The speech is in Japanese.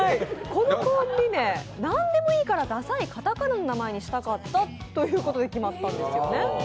このコンビ名、なんでもいいからダサいかたかなの名前にしたかったということで決まったんですね。